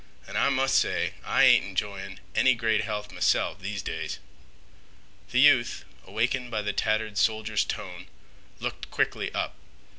An' I must say I ain't enjoying any great health m'self these days." The youth, awakened by the tattered soldier's tone, looked quickly up.